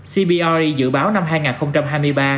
cpri dự báo năm hai nghìn hai mươi ba